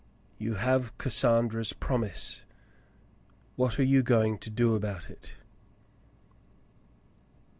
"You have Cassandra's promise ; what are you going to do about it